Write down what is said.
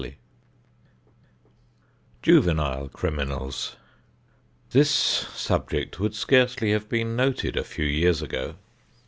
IX JUVENILE CRIMINALS This subject would scarcely have been noted a few years ago.